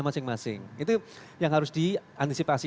masing masing itu yang harus diantisipasi